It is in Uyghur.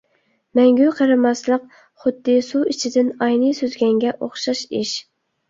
مەڭگۈ قېرىماسلىق خۇددى سۇ ئىچىدىن ئاينى سۈزگەنگە ئوخشاش ئىش.